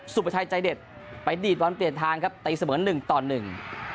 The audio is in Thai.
ประชัยใจเด็ดไปดีดบอลเปลี่ยนทางครับตีเสมอหนึ่งต่อหนึ่ง